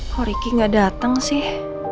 kok ricky gak dateng sih